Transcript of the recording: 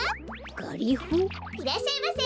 いらっしゃいませ。